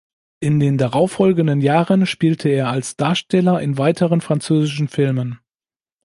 In den darauffolgenden Jahren spielte er als Darsteller in weiteren französischen Filmen.